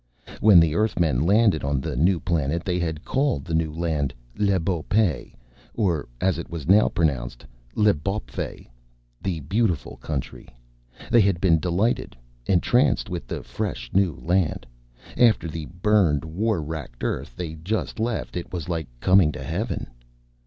When the Earthmen landed on the new planet they had called the new land Le Beau Pays, or, as it was now pronounced, L'Bawpfey The Beautiful Country. They had been delighted, entranced with the fresh new land. After the burned, war racked Earth they had just left, it was like coming to Heaven.